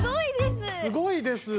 すごいです！